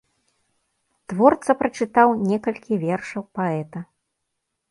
Творца прачытаў некалькі вершаў паэта.